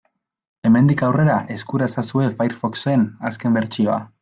Hemendik aurrera eskura ezazue Firefoxen azken bertsioa.